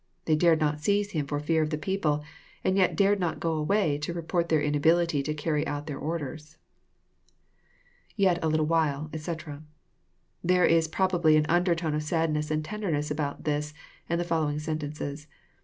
They dared not seize Him for fear of the people, and yet dared not go away to report their inability to carry out their orders. [ Yet a little while, etc, ] There is probably an under tone of sadness and tenderness about this and the following sentences.